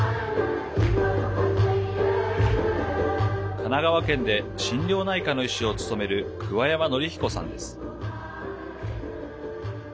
神奈川県で、心療内科の医師を務める桑山紀彦さんです。